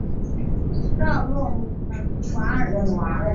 绍洛姆瓦尔。